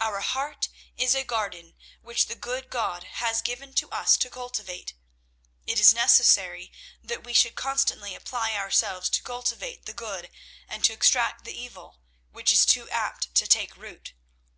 Our heart is a garden which the good God has given to us to cultivate. It is necessary that we should constantly apply ourselves to cultivate the good and to extract the evil, which is too apt to take root.